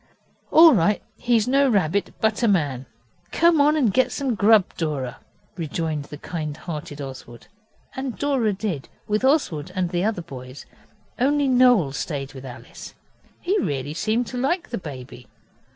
'All right, he's no rabbit, but a man. Come on and get some grub, Dora,' rejoined the kind hearted Oswald, and Dora did, with Oswald and the other boys. Only Noel stayed with Alice. He really seemed to like the baby.